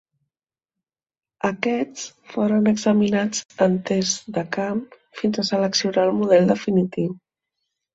Aquest foren examinats en tests de camp fins a seleccionar el model definitiu.